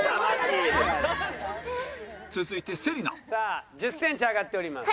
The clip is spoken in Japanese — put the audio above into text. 続いて芹那さあ１０センチ上がっております。